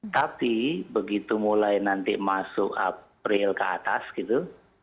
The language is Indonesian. tapi begitu mulai nanti masuk april ke atas gitu